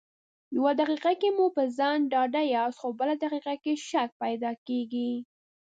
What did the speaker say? يو دقيقه کې مو په ځان ډاډه ياست خو بله دقيقه شک پیدا کېږي.